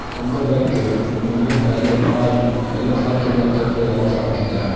Ҡулында бәке, уныһы әле ай, әле факел яҡтыһында ялтырап китә.